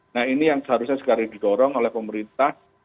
nah ini yang seharusnya sekarang didorong oleh pemerintah